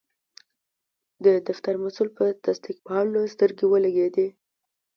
د فتر مسول په تصدیق پاڼه سترګې ولګیدې.